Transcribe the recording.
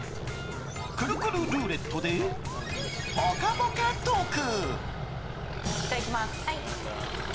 くるくるルーレットでぽかぽかトーク。